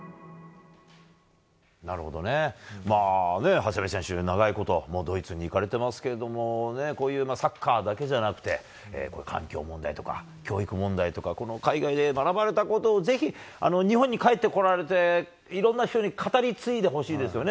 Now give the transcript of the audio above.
長谷部選手、長いことドイツに行かれていますけどこういうサッカーだけじゃなくて環境問題とか教育問題とか海外で学ばれたことをぜひ、日本に帰ってこられていろんな人に語り継いでほしいですよね。